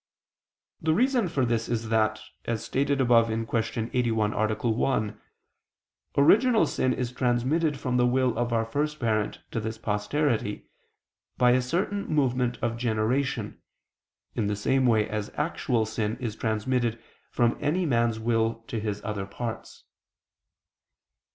The reason for this is that, as stated above (Q. 81, A. 1), original sin is transmitted from the will of our first parent to this posterity by a certain movement of generation, in the same way as actual sin is transmitted from any man's will to his other parts.